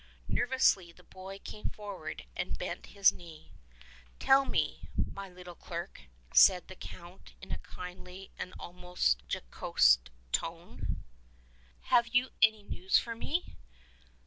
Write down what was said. Nervously the boy came forward and bent his knee. ''Tell me, my little clerk," said the Count in a kindly and almost jocose tone, — "have you any news for me